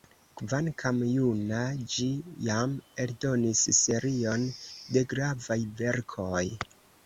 Kvankam juna, ĝi jam eldonis serion de gravaj verkoj.